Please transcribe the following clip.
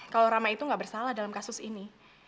kalau rama itu nggak bersalah dalam kasus ini